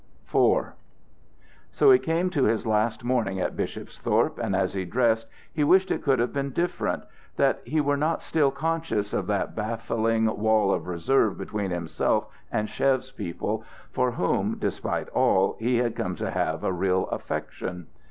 IV So he came to his last morning at Bishopsthorpe; and as he dressed, he wished it could have been different; that he were not still conscious of that baffling wall of reserve between himself and Chev's people, for whom, despite all, he had come to have a real affection.